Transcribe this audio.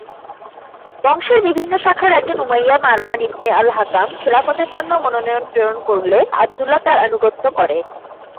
বংশের বিভিন্ন শাখার একজন উমাইয়া মারওয়ান ইবনে আল-হাকাম খিলাফতের জন্য মনোনয়ন প্রেরণ করলে আবদুল্লাহ তাঁর আনুগত্য করে।